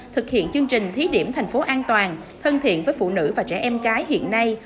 thực hiện chương trình thí điểm tp hcm an toàn thân thiện với phụ nữ và trẻ em cái hiện nay